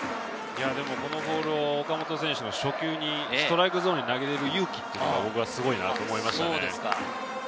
このボールを岡本選手の初球にストライクゾーンに投げれる勇気はすごいなと思いましたね。